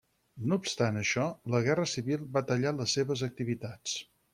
No obstant això, la Guerra Civil va tallar les seves activitats.